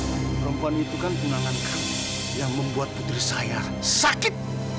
om perempuan itu kan gunangan kamu yang membuat putri saya sakit